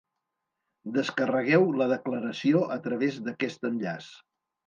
Descarregueu la declaració a través d'aquest enllaç.